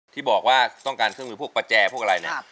ที่บอกว่าต้องการเครื่องมือพวกประแจพวกอะไรเนี่ย